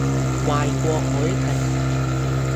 壞過凱婷